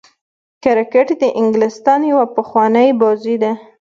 کرکټ د انګلستان يوه پخوانۍ بازي ده.